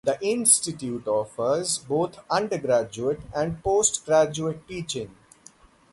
The Institute offers both undergraduate and postgraduate teaching.